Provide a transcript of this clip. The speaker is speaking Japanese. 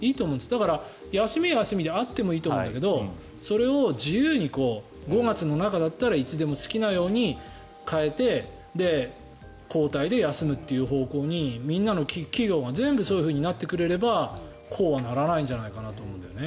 だから、休みは休みであってもいいと思うけどそれを自由に５月の中だったらいつでも好きなように変えて交代で休むという方向にみんなの企業が全部そういうふうになってくれればこうはならないんじゃないかなと思うんだよね。